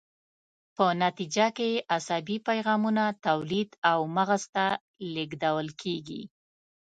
په نتیجه کې یې عصبي پیغامونه تولید او مغز ته لیږدول کیږي.